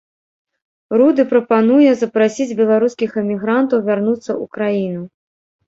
Руды прапануе запрасіць беларускіх эмігрантаў вярнуцца ў краіну.